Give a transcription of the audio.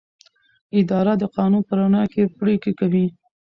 اداره د قانون په رڼا کې پریکړې کوي.